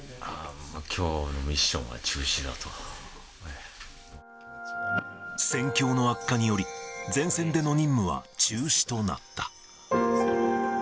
きょうのミッションは中止だ戦況の悪化により、前線での任務は中止となった。